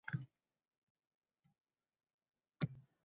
Eshikni Rauf akaning o’zlari ochdilar. Ichkariga kirib, hali o’tirmay turib: